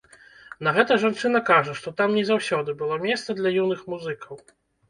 На гэта жанчына кажа, што там не заўсёды было месца для юных музыкаў.